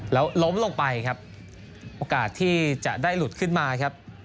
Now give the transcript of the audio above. แล้วล้มลงไปครับโอกาสที่จะได้หลุดขึ้นมาครับ